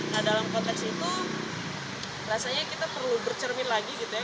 nah dalam konteks itu rasanya kita perlu bercermin lagi gitu ya